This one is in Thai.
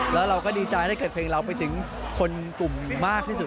แล้วเราก็ดีใจถ้าเกิดเพลงเราไปถึงคนกลุ่มหนึ่งมากที่สุด